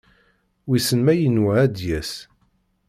Wissen ma yenwa ad d-yas.